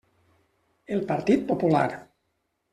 El Partit Popular.